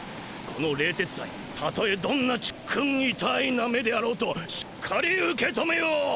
この冷徹斎たとえどんなちっくんいたーいな目であろうとしっかり受けとめよう。